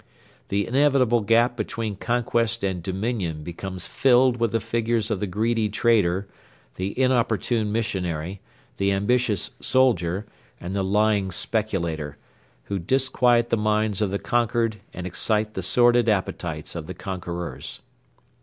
The inevitable gap between conquest and dominion becomes filled with the figures of the greedy trader, the inopportune missionary, the ambitious soldier, and the lying speculator, who disquiet the minds of the conquered and excite the sordid appetites of the conquerors.